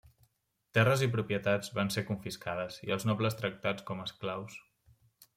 Terres i propietats van ser confiscades i els nobles tractats com a esclaus.